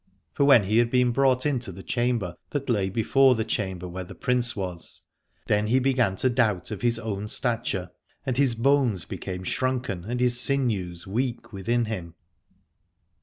For when he had been brought into the chamber that lay before the chamber where the Prince was, then he began X15 A] adore to doubt of his own stature, and his bones became shrunken and his sinews weak within him.